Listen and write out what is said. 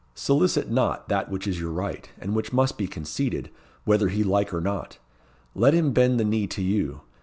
Solicit not that which is your right, and which must be conceded, whether he like or not. Let him bend the knee to you.